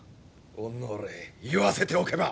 おのれ言わせておけば！